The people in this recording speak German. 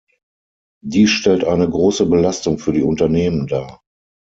Dies stellt eine große Belastung für die Unternehmen dar.